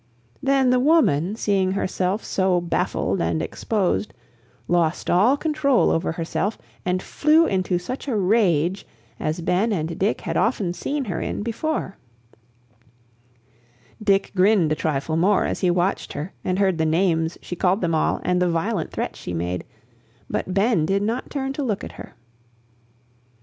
Then the woman, seeing herself so baffled and exposed, lost all control over herself and flew into such a rage as Ben and Dick had often seen her in before. Dick grinned a trifle more as he watched her and heard the names she called them all and the violent threats she made, but Ben did not turn to look at her.